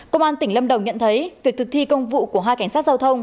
công an tỉnh lâm đồng nhận thấy việc thực thi công vụ của hai cảnh sát giao thông